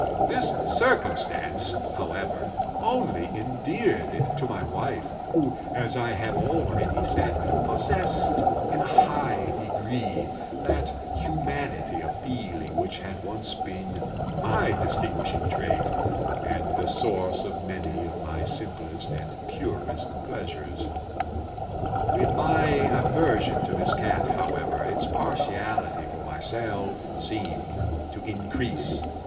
This circumstance, however, only endeared it to my wife, who, as I have already said, possessed, in a high degree, that humanity of feeling which had once been my distinguishing trait, and the source of many of my simplest and purest pleasures. With my aversion to this cat, however, its partiality for myself seemed to increase.